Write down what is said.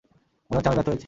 মনে হচ্ছে আমি ব্যর্থ হয়েছি।